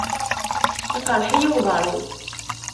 Iqerḥ-iyi uḍar-iw.